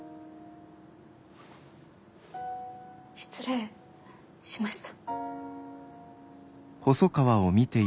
失礼しました。